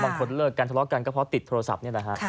บางคนเลิกกันทะเลาะกันก็เพราะติดโทรศัพท์นี่แหละฮะ